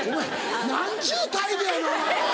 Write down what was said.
何ちゅう態度やねんお前は！